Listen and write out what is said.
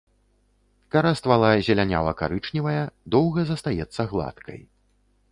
Кара ствала зелянява-карычневая, доўга застаецца гладкай.